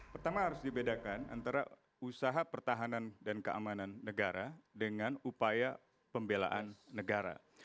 pertama harus dibedakan antara usaha pertahanan dan keamanan negara dengan upaya pembelaan negara